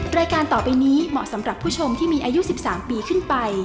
รายการต่อไปนี้เหมาะสำหรับผู้ชมที่มีอายุ๑๓ปีขึ้นไป